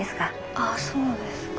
あっそうですか。